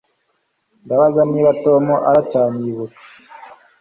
Ndabaza niba Tom aracyanyibuka